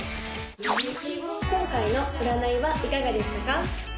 今回の占いはいかがでしたか？